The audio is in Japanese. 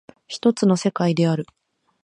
一つの世界である。